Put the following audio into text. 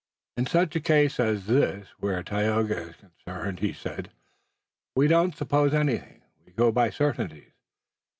"In such a case as this where Tayoga is concerned," he said, "we don't suppose anything, we go by certainties.